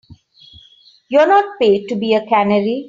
You're not paid to be a canary.